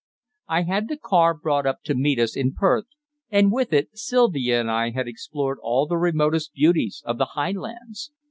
I had the car brought up to meet us in Perth, and with it Sylvia and I had explored all the remotest beauties of the Highlands.